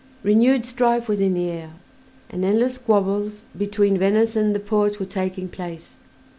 Renewed strife was in the air, and endless squabbles between Venice and the Porte were taking place.